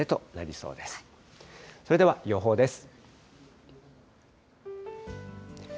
それでは予報です。